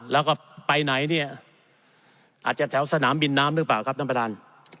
แล้วก็ไปไหนเนี่ยอาจจะแถวสนามบินน้ำหรือเปล่าครับท่านประธาน